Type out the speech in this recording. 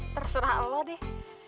terserah lo deh